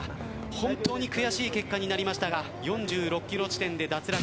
本当に悔しい結果になりましたが４６キロ地点で脱落。